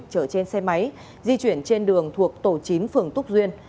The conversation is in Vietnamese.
chở trên xe máy di chuyển trên đường thuộc tổ chín phường túc duyên